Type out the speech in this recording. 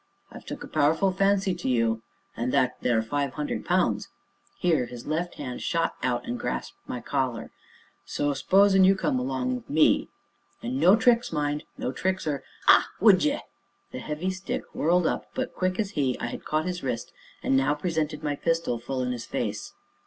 I've took a powerful fancy to you, and that there five hundred pounds" here his left hand shot out and grasped my collar "so s'posin' you come along o' me. And no tricks, mind no tricks, or ah! would ye?" The heavy stick whirled up, but, quick as he, I had caught his wrist, and now presented my pistol full in his face.